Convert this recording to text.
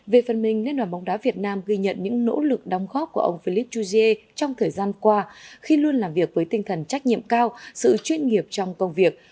về phần mình liên đoàn bóng đá việt nam ghi nhận những nỗ lực đóng góp của ông philip choujie trong thời gian qua khi luôn làm việc với tinh thần trách nhiệm cao sự chuyên nghiệp trong công việc